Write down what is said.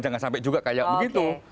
jangan sampai juga kayak begitu